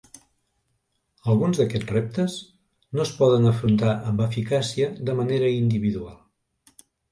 Alguns d'aquests reptes no es poden afrontar amb eficàcia de manera individual.